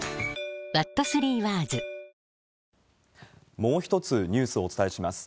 もう一つニュースをお伝えします。